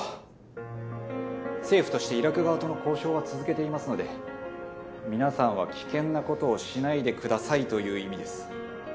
政府としてイラク側との交渉は続けていますので皆さんは危険なことをしないでくださいという意味です。